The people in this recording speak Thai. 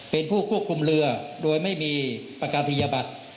เป็นผู้ควบคุมเรือโดยไม่มีประกาศพียบัตร